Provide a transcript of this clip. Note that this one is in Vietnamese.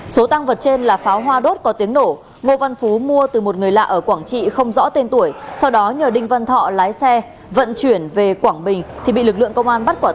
số tăng vật trên là pháo hoa đốt có tiếng nổ ngô văn phú mua từ một người lạ ở quảng trị không rõ tên tuổi sau đó nhờ đinh văn thọ lái xe vận chuyển về quảng bình thì bị lực lượng công an bắt quả tàng